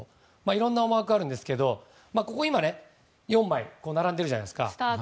いろんな思惑があるんですけどここに今４枚並んでいるじゃないですか。